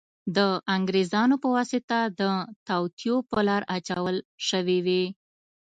د انګریزانو په واسطه د توطیو په لار اچول شوې وې.